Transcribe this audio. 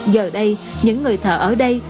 giờ đây những người thợ ở đây